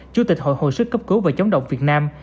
chủ tịch hội hồi sức cấp cứu và chống độc việt nam